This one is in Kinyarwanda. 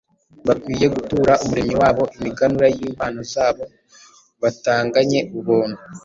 Bakwiriye gutura umuremyi wabo imiganura y’impano zabo batanganye ubuntu-